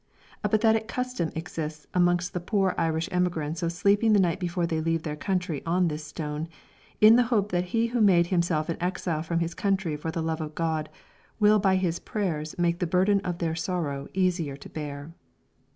A pathetic custom exists amongst the poor Irish emigrants of sleeping the night before they leave their country on this stone, in the hope that he who made himself an exile from his country for the love of God will by his prayers make the burden of their sorrow easier to bear.